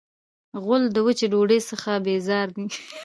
غول د وچې ډوډۍ څخه بیزار دی.